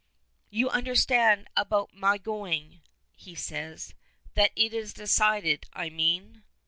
"You understand about my going?" he says; "that it is decided, I mean?"